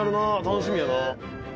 楽しみやな」